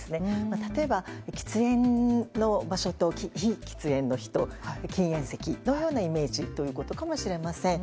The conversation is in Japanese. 例えば、喫煙の場所と非喫煙の人禁煙席のようなイメージということかもしれません。